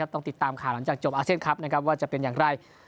ต้องติดตามข่าวหลังจากจบอาเซียนคลับนะครับว่าจะเป็นอย่างไร